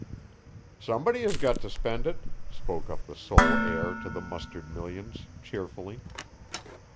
"Somebody has got to spend it," spoke up the sole heir to the mustard millions, cheerfully.